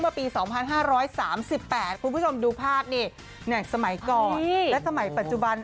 เมื่อปี๒๕๓๘คุณผู้ชมดูภาพนี่สมัยก่อนและสมัยปัจจุบัน